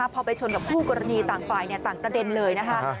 พอไปชนกับคู่กรณีต่างฝ่ายต่างกระเด็นเลยนะคะ